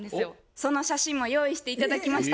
その写真も用意して頂きました。